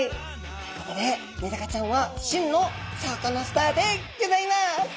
ということでメダカちゃんは真のサカナスターでギョざいます。